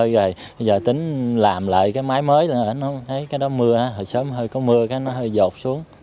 bây giờ tính làm lại cái máy mới cái đó mưa hồi sớm hơi có mưa nó hơi dột xuống